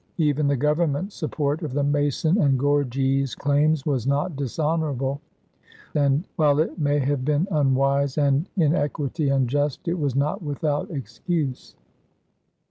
Even the Government's support of the Mason and Gorges claims was not dishonorable, and while it may have been unwise and, in equity, unjust, it was not without excuse.